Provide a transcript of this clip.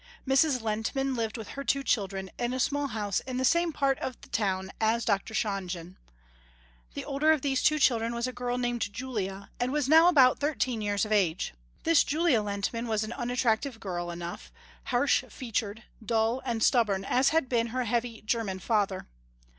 Mrs. Lehntman lived with her two children in a small house in the same part of the town as Dr. Shonjen. The older of these two children was a girl named Julia and was now about thirteen years of age. This Julia Lehntman was an unattractive girl enough, harsh featured, dull and stubborn as had been her heavy german father.